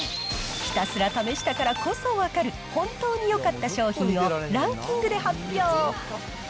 ひたすら試したからこそ分かる、本当によかった商品をランキングで発表。